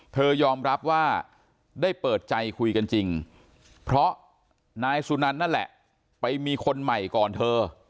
เธอยอมรับว่าได้เปิดใจคุยกันจริงเพราะนายสุนันนั่นแหละไปมีคนใหม่ก่อนเธอ